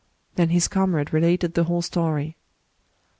Then his comrade related the whole story.